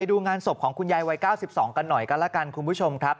ดูงานศพของคุณยายวัย๙๒กันหน่อยกันแล้วกันคุณผู้ชมครับ